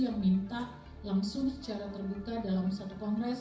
yang minta langsung secara terbuka dalam satu kongres